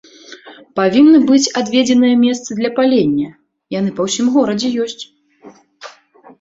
Павінны быць адведзеныя месцы для палення, яны па ўсім горадзе ёсць.